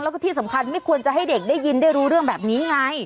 แล้วก็ที่สำคัญไม่ควรจะให้เด็กได้ยินได้รู้เรื่องแบบนี้ไง